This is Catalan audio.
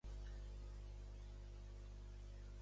L'empresa va fer famosa l'"Oxford Marmalade".